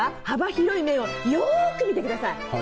幅広い麺をよく見てください。